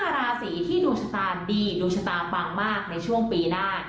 ราศีที่ดวงชะตาดีดวงชะตาปังมากในช่วงปีหน้า